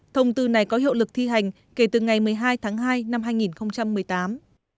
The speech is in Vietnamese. thông tư này có hiệu lực thi hành kể từ ngày một mươi hai tháng hai năm hai nghìn một mươi tám